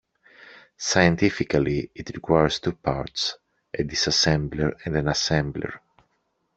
Scientifically, it requires two parts: a disassembler and an assembler.